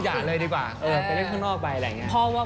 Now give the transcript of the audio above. อย่าเลยดีกว่าเออไปเล่นข้างนอกไปอะไรอย่างนี้